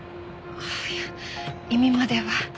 いや意味までは。